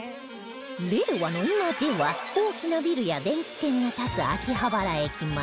令和の今では大きなビルや電器店が立つ秋葉原駅前